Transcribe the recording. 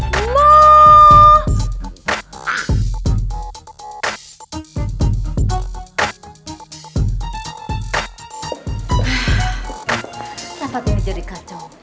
kenapa tuh ini jadi kacau